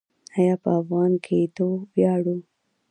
آیا په افغان کیدو ویاړو؟